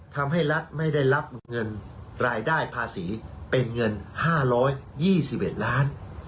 ทำให้รัฐไม่ได้รับเงินรายได้ภาษีเป็นเงิน๕๒๑ล้าน